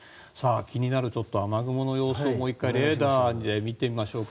気になる雨雲の様子をもう１回レーダーで見てみましょうか。